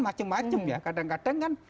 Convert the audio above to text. macem macem ya kadang kadang kan